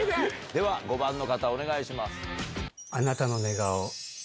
では５番の方お願いします。